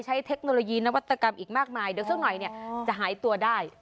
เทคโนโลยีนวัตกรรมอีกมากมายเดี๋ยวสักหน่อยเนี่ยจะหายตัวได้